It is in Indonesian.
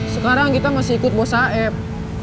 sekarang kita masih ikut bos af